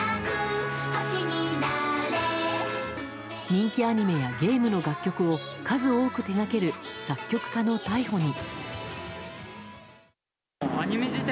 人気アニメやゲームの楽曲を数多く手掛ける作曲家の逮捕に。